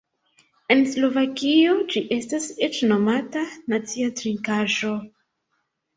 En Slovakio ĝi estas eĉ nomata "nacia trinkaĵo".